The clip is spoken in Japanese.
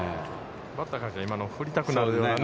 バッターからしたら、今の振りたくなるね。